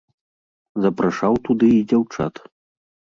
Запрашаў туды і дзяўчат.